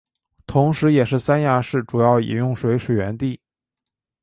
同时也是三亚市主要饮用水水源地。